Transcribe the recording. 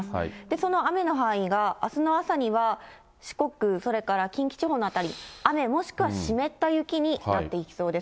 その雨の範囲が、あすの朝には四国、それから近畿地方の辺り、雨もしくは湿った雪になっていきそうです。